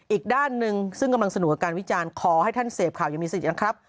อีกด้านหนึ่งซึ่งกำลังสนุกกับการวิจารณ์ขอให้ท่านเสพข่าวยังมีสิทธิ์นะครับ